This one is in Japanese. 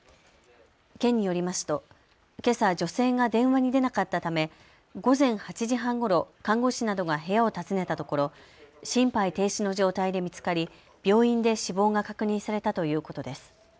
県によりますとけさ女性が電話に出なかったため午前８時半ごろ、看護師などが部屋を訪ねたところ心肺停止の状態で見つかり病院で死亡が確認されたということです。